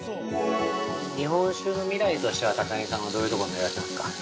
◆日本酒の未来としては高木さんはどういうところを狙ってますか。